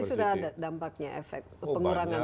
tapi sudah ada dampaknya efek pengurangan